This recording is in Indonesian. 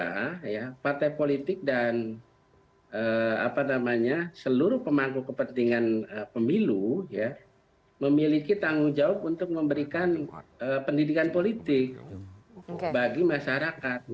karena partai politik dan seluruh pemangku kepentingan pemilu memiliki tanggung jawab untuk memberikan pendidikan politik bagi masyarakat